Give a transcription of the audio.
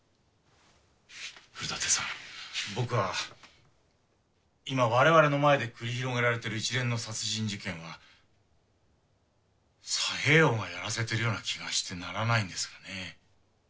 古館さん僕は今我々の前で繰り広げられている一連の殺人事件は佐兵衛翁がやらせているような気がしてならないんですがね。